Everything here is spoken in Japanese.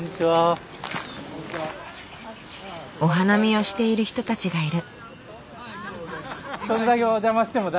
お花見をしている人たちがいる。